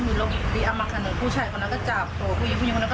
ที่นี่มีปัญหา